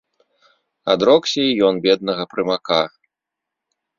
Адрокся і ён беднага прымака.